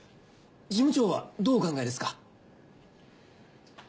事務長はどうお考えですか？